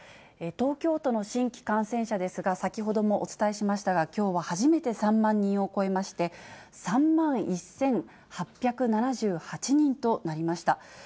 東京都の新規感染者ですが、先ほどもお伝えしましたが、きょうは初めて３万人を超えまして、３万１８７８人となりました。